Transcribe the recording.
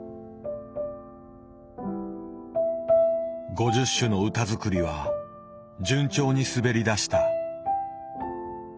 ５０首の歌づくりは順調に滑り出した。